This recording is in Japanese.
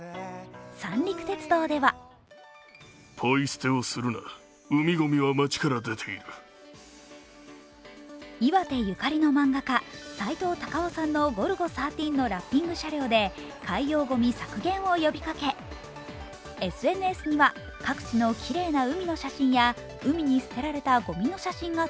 三陸鉄道では岩手ゆかりの漫画家・さいとう・たかをさんの「ゴルゴ１３」のラッピング車両で、海洋ごみ削減を呼びかけ、ＳＮＳには各地のきれいな海の写真や海に捨てられたごみの写真が